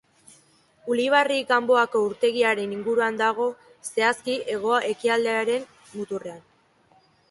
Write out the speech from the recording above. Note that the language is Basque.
Ulibarri-Ganboako urtegiaren inguruan dago, zehazki hego-ekialdearen muturrean.